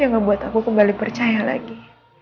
yang membuat aku kembali percaya lagi